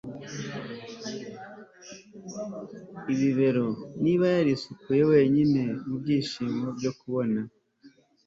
ibibero. niba yarisukuye wenyine mubyishimo byo kubona